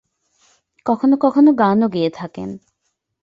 কখনও কখনও গানও গেয়ে থাকেন।